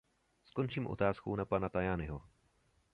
Skončím otázkou na pana Tajaniho.